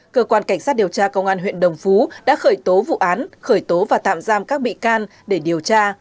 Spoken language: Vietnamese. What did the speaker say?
cơ quan cảnh sát điều tra công an huyện đồng phú đã khởi tố vụ án khởi tố và tạm giam các bị can để điều tra